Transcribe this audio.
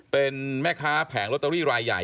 เป็นแม่ค้าแผงลอตเตอรี่รายใหญ่